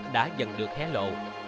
đã dần được hé lộ